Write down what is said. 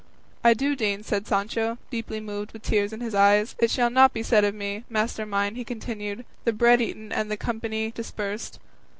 "I do deign," said Sancho, deeply moved and with tears in his eyes; "it shall not be said of me, master mine," he continued, "'the bread eaten and the company dispersed.